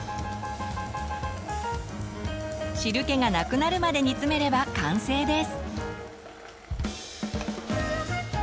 汁けがなくなるまで煮つめれば完成です。